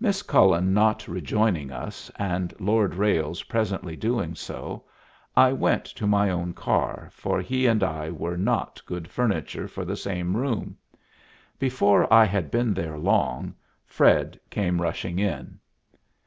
Miss Cullen not rejoining us, and Lord Ralles presently doing so, I went to my own car, for he and I were not good furniture for the same room. Before I had been there long, Fred came rushing in.